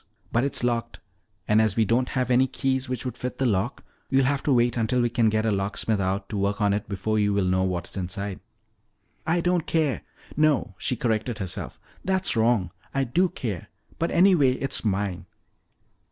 But it's locked, and as we don't have any keys which would fit the lock, you'll have to wait until we can get a locksmith out to work on it before you will know what's inside." "I don't care. No," she corrected herself, "that's wrong; I do care. But anyway its mine!"